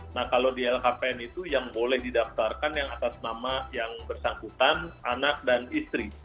nah kalau di lhkpn itu yang boleh didaftarkan yang atas nama yang bersangkutan anak dan istri